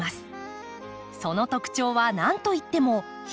その特徴は何といっても品種の多さ。